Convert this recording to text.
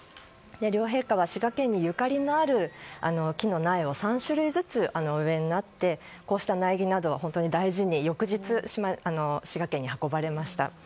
両陛下は滋賀県にゆかりのある木の苗を３種類ずつお植えになってこうした苗木などは大事に翌日滋賀県に運ばれました。